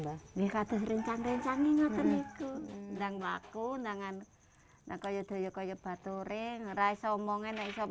berarti sandang pangan ikonik sintra nyukup